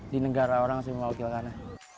di negara orang sih mewakilkannya